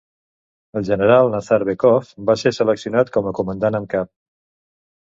El general Nazarbekov va ser seleccionat com comandant en cap.